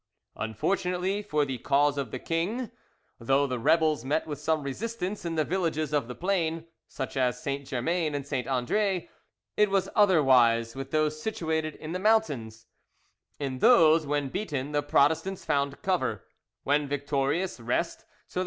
Unfortunately for the cause of the king, though the rebels met with some resistance in the villages of the plain, such as St. Germain and St. Andre, it was otherwise with those situated in the mountains; in those, when beaten, the Protestants found cover, when victorious rest; so that M.